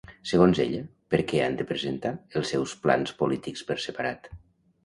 Segons ella, per què han de presentar els seus plans polítics per separat?